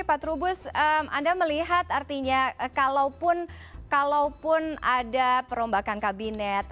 pak trubus anda melihat artinya kalaupun ada perombakan kabinet